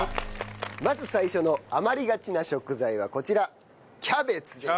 まず最初の余りがちな食材はこちらキャベツです。